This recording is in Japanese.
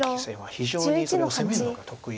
非常にそれを攻めるのが得意。